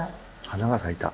花が咲いた。